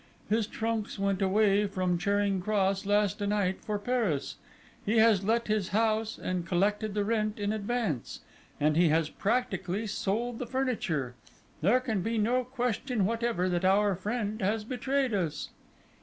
His trunks went away from Charing Cross last night for Paris. He has let his house and collected the rent in advance, and he has practically sold the furniture. There can be no question whatever that our friend has betrayed us."